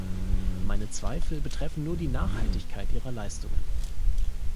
Meine Zweifel betreffen nur die Nachhaltigkeit ihrer Leistungen.